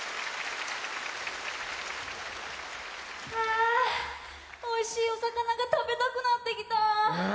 あぁおいしいおさかなが食べたくなってきた。